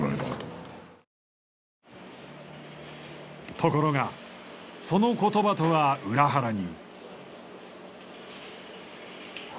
ところがその言葉とは裏腹に。